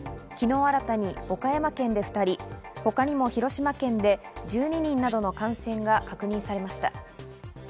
昨日、新たに岡山県で２人、他にも広島県で１２人などの感染が確認されました。